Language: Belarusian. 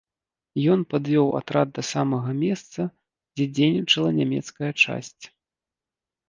Ён падвёў атрад да самага месца, дзе дзейнічала нямецкая часць.